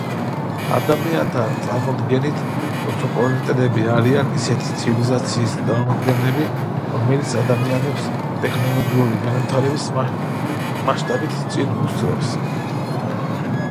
ადამიანთა წარმოდგენით უცხოპლანეტელები არიან ისეთი ცივილიზაციის წარმომადგენლები, რომელიც ადამიანებს ტექნოლოგიური განვითარების მასშტაბებით წინ უსწრებს.